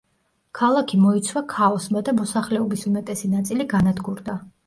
ქალაქი მოიცვა ქაოსმა და მოსახლეობის უმეტესი ნაწილი განადგურდა.